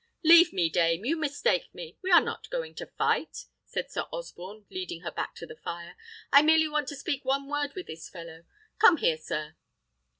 "Leave me, dame; you mistake me. We are not going to fight," said Sir Osborne, leading her back to the fire; "I merely want to speak one word to this fellow. Come here, sir!"